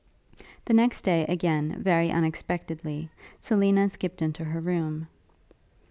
The next day, again, very unexpectedly, Selina skipt into her room.